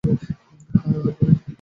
হ্যাঁ, ডোরি?